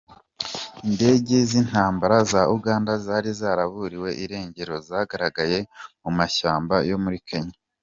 Indege z’intambara za Uganda zari zaraburiwe irengero, zagaragaye mu mashyamba yo muri Kenya